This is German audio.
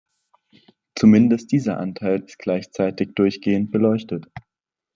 Zumindest dieser Anteil ist gleichzeitig durchgehend beleuchtet.